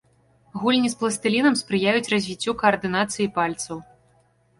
Гульні з пластылінам спрыяюць развіццю каардынацыі пальцаў.